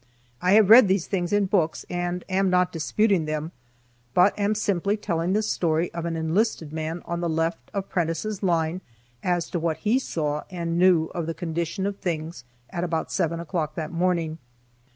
I have read these things in books and am not disputing them, but am simply telling the story of an enlisted man on the left of Prentiss' line as to what he saw and knew of the condition of things at about seven o'clock that morning.